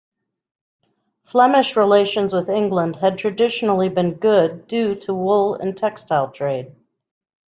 Flemish relations with England had traditionally been good, due to wool and textile trade.